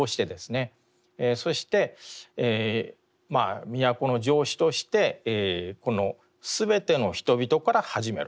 そして都城市としてこの「すべての人々」から始める。